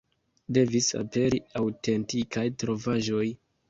Devis aperi aŭtentikaj trovaĵoj.